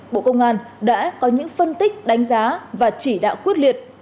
bộ công an đã có những phân tích đánh giá và chỉ đạo quyết liệt